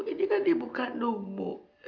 ini kan ibu kandungmu